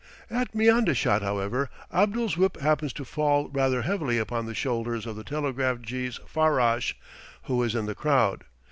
At Miandasht, however, Abdul's whip happens to fall rather heavily upon the shoulders of the telegraph jee's farrash, who is in the crowd.